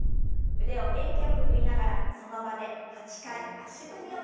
腕を元気よく振りながらその場で８回足踏みを踏みます。